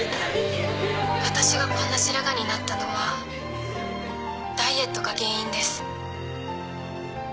私がこんな白髪になったのはダイエットが原因です。